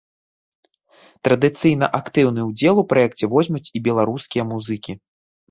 Традыцыйна актыўны ўдзел у праекце возьмуць і беларускія музыкі.